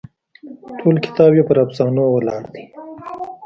ټول کتاب یې پر افسانو ولاړ دی.